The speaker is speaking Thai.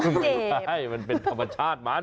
ไม่ใช่มันเป็นธรรมชาติมัน